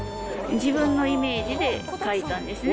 自分のイメージで書いたんですね。